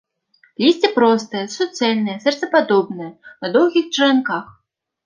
Лісце простае, суцэльнае, сэрцападобнае, на доўгіх чаранках.